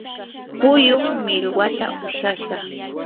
puyum millwata ushashqa.